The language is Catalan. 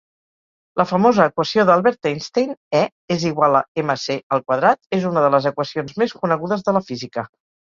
La famosa equació d'Albert Einstein E és igual a MC al quadrat és una de les equacions més conegudes de la física.